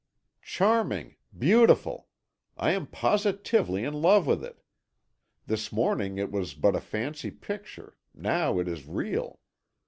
"Charming! beautiful! I am positively in love with it. This morning it was but a fancy picture, now it is real.